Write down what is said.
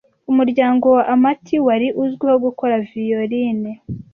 Umuryango wa Amati wari uzwiho gukora Violine